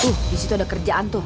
tuh di situ ada kerjaan tuh